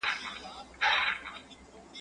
o د شرمښ څخه خلاص سو، د قصاب په لاس ورغلی.